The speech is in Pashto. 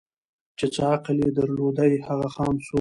چي څه عقل یې درلودی هغه خام سو